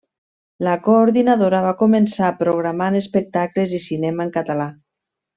La coordinadora va començar programant espectacles i cinema en català.